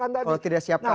kalau tidak siap kalah